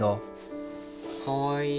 かわいい。